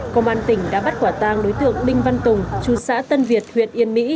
công an tỉnh đã bắt quả tang đối tượng đinh văn tùng chú xã tân việt huyện yên mỹ